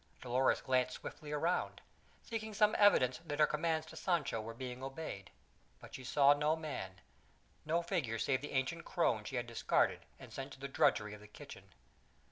Dolores glanced swiftly around, seeking some evidence that her commands to Sancho were being obeyed; but she saw no man no figure save the ancient crone she had discarded and sent to the drudgery of the kitchen.